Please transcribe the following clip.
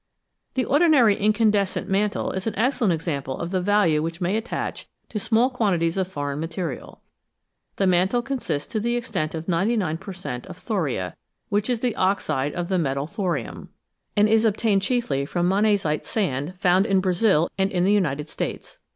The ordinary incandescent mantle is an excellent example of the value which may attach to small quantities of foreign material. The mantle consists to the extent of 99 per cent, of thoria, which is the oxide of the metal thorium, 328 SMALL CAUSES; GREAT EFFECTS and is obttained chiefly from moimzite sand, found in Brazil and in the United States.